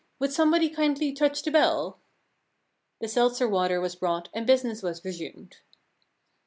Would somebody kindly touch the bell ?' The seltzer water was brought and business was resumed.